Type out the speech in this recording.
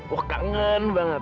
oh kangen banget